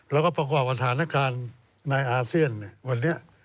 แล้วก็ประกอบสถานการณ์ในอาเซียนวันนี้